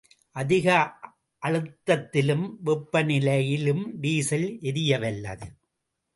அதிக அழுத்தத் திலும் வெப்பநிலையிலும் டீசல் எரிய வல்லது.